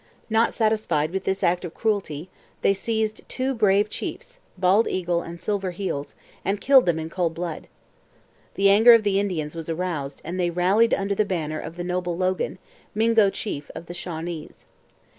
Not satisfied with this act of cruelty, they seized two brave chiefs, Bald Eagle and Silver Heels, and killed them in cold blood. The anger of the Indians was aroused and they rallied under the banner of the noble Logan, 'Mingo Chief' of the Shawnees.